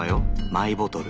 マイボトル。